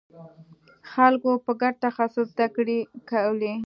خلکو به ګډ تخصص زدکړې کولې.